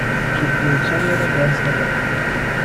Su proyección era ya estatal.